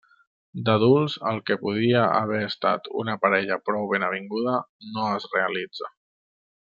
D'adults el que podia haver estat una parella prou ben avinguda, no es realitza.